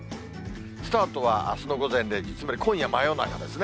スタートはあすの午前０時、つまり今夜真夜中ですね。